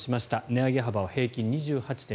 値上げ幅は平均２８．０８％